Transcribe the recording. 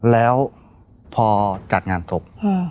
แล้วพอจัดงานศพ